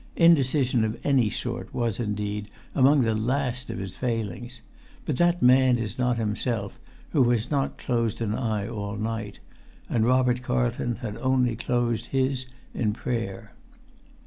Indecision of any sort was, indeed, among the last of his failings; but that man is not himself who has not closed an eye all night; and Robert Carlton had only closed his in prayer.